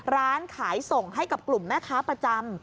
ร้านขายส่งให้กับกลุ่มแม่ค้าประจำ